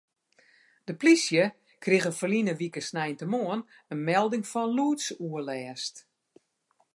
De plysje krige ferline wike sneintemoarn in melding fan lûdsoerlêst.